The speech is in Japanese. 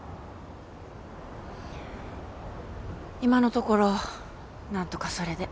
今のところ何とかそれで。